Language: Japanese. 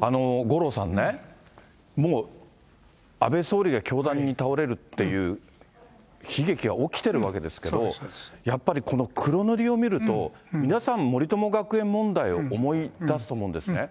五郎さんね、もう安倍総理が凶弾に倒れるっていう悲劇は起きてるわけですけど、やっぱりこの黒塗りを見ると、皆さん、森友学園問題を思い出すと思うんですね。